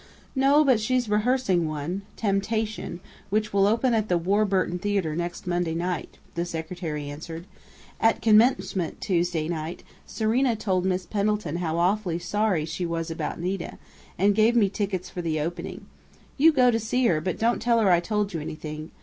"No, but she's rehearsing in one 'Temptation' which will open at the Warburton Theater next Monday night," the secretary answered. "At commencement Tuesday night, Serena told Miss Pendleton how awfully sorry she was about Nita, and gave me tickets for the opening.... You go to see her, but don't tell her I told you anything....